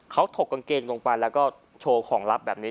เขาถกกางเกงลงไปแล้วก็โชว์ของลับแบบนี้